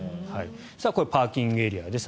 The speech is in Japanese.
これ、パーキングエリアです。